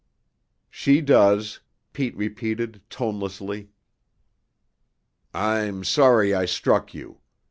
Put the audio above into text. "She does," Pete repeated tonelessly. "I'm sorry I struck you.